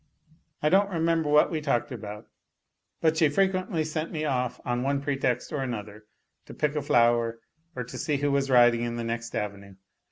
I don't remember what we talked about ; but she frequently sent me off on one pretext or another, to pick a flower, or to see who was riding in the next avenue.